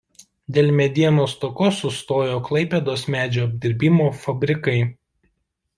Dėl medienos stokos sustojo Klaipėdos medžio apdirbimo fabrikai.